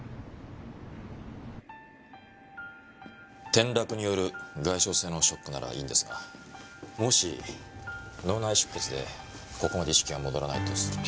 転落による外傷性のショックならいいんですがもし脳内出血でここまで意識が戻らないとすると。